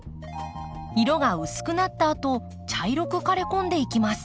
色が薄くなったあと茶色く枯れこんでいきます。